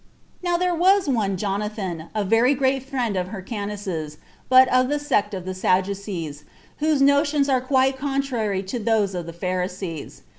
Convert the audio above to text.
6. Now there was one Jonathan, a very great friend of Hyrcanus's, but of the sect of the Sadducees, whose notions are quite contrary to those of the Pharisees.